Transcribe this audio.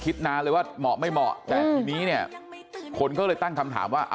คิดนานเลยว่าเหมาะไม่เหมาะแต่ทีนี้คนก็ตั้งคำถามว่า